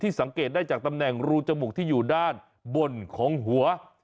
สังเกตได้จากตำแหน่งรูจมูกที่อยู่ด้านบนของหัว